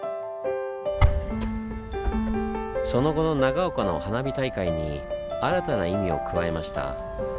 その後の長岡の花火大会に新たな意味を加えました。